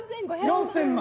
４，０００万。